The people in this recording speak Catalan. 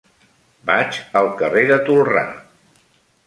Vaig al carrer de Tolrà.